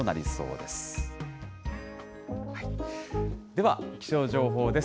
では、気象情報です。